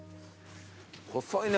細いね